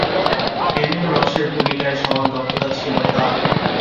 বিভিন্ন রসের ভূমিকায় সমান দক্ষতা ছিল তার।